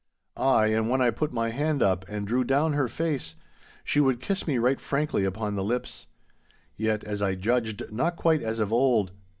Ay, and when I put my hand up and drew down her face, she would kiss me right frankly upon the lips. Yet, as I judged, not quite as of old.